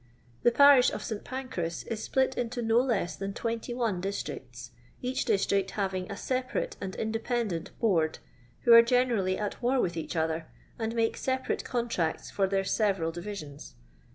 The parish of St Fancras is split into no less than 21 districts, each district having a separate and independent "Board," who are genemlly at war vrith each other, and make separate contracts for their several divisions.